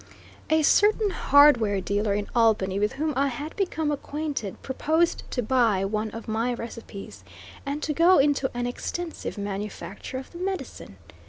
A certain hardware dealer in Albany, with whom I had become acquainted, proposed to buy one of my recipes, and to go into an extensive manufacture of the medicine.